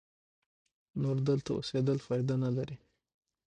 نور دلته اوسېدل پایده نه لري.